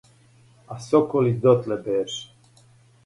А соколић дотле беше